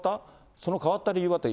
その変わった理由は？と。